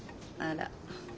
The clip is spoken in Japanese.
あら。